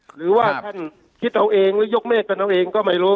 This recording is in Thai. หรือว่าท่านคิดเอาเองหรือยกเมฆกันเอาเองก็ไม่รู้